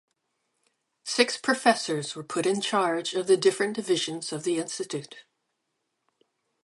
Six professors were put in charge of the different divisions of the Institute.